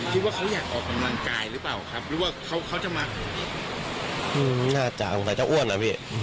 คิดว่าเขาอยากออกกำลังกายหรือเปล่าครับหรือว่าเขาเขาจะมาน่าจะสงสัยจะอ้วนเหรอพี่